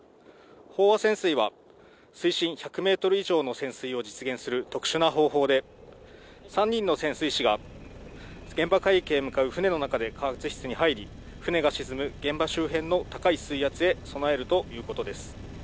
飽和潜水は、水深１００メートル以上の潜水を実現する特殊な方法で、３人の潜水士が、現場海域へ向かう船の中で加圧室に入り、船が沈む現場周辺の高い水圧へ備えるということです。